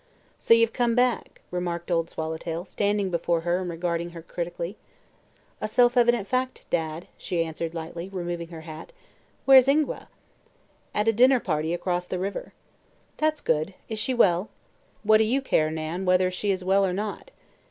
"So you've come back," remarked Old Swallowtail, standing before her and regarding her critically. "A self evident fact, Dad," she answered lightly, removing her hat. "Where's Ingua?" "At a dinner party across the river." "That's good. Is she well?" "What do you care, Nan, whether she is well or not?"